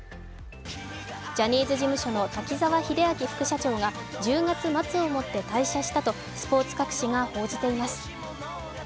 ジャニーズ事務所の滝沢秀樹副社長が１０月末をもって退社したとスポーツ各紙が報じています。